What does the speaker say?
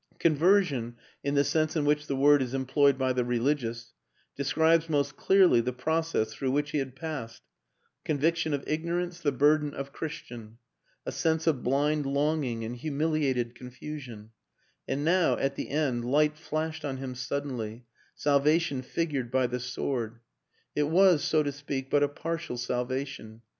Conver sion, in the sense in which the word is employed by the religious, describes most clearly the process through which he had passed: conviction of igno rance, the burden of Christian; a sense of blind longing and humiliated confusion and now, at the end, light flashed on him suddenly, salvation figured by the sword. ... It was, so to speak, but a partial salvation.